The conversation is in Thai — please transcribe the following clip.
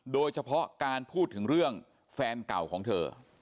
โดยเฉพาะการพูดถึงเรื่องแฟนเก่าของเธอ